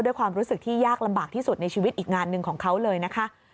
ด้วยความรู้สึกที่ยากลำบากที่สุดในชีวิตอีกงานหนึ่งของเขาเลยนะคะ